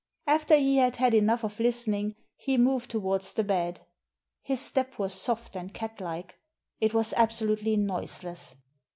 After he had had enough of listening he moved towards the bed His step was soft and cat like; it was absolutely noiseless.